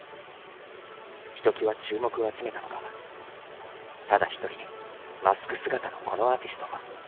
ひときわ注目を集めたのがただ一人マスク姿のこのアーティスト。